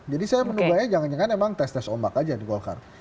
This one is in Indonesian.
jadi saya menurut saya jangan jangan emang tes tes ombak aja di golkar